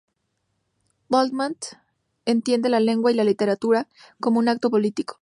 Waldman entiende la lengua y la literatura como un acto político.